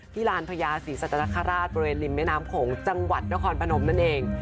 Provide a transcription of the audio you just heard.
ลานพญาศรีสัตนคราชบริเวณริมแม่น้ำโขงจังหวัดนครพนมนั่นเอง